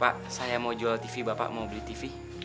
pak saya mau jual tv bapak mau beli tv